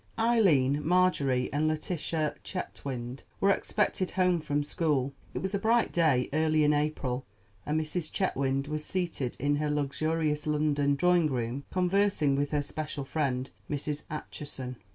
Eileen, Marjorie, and Letitia Chetwynd were expected home from school. It was a bright day early in April, and Mrs. Chetwynd was seated in her luxurious London drawing room conversing with her special friend, Mrs. Acheson.